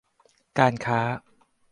การค้า